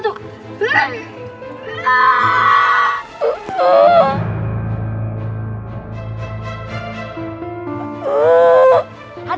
tiga dua satu